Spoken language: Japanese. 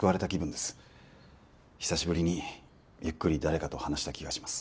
久しぶりにゆっくり誰かと話した気がします。